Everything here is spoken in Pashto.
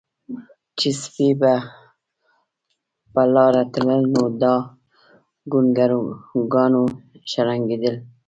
چې سپي به پۀ لاره تلل نو دا ګونګروګان به شړنګېدل